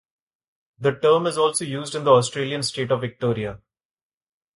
The term is also used in the Australian state of Victoria.